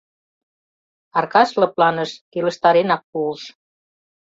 Аркаш лыпланыш, келыштаренак пуыш: